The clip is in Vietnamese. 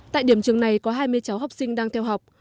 tại điểm trường này có hai mươi cháu học sinh đang theo học